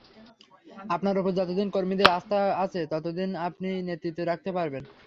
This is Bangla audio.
আপনার ওপর যতদিন কর্মীদের আস্থা আছে, ততদিন আপনি নেতৃত্ব রাখতে পারবেন।